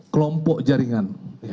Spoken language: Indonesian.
dua kelompok jaringan